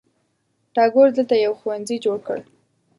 ټاګور دلته یو ښوونځي جوړ کړ.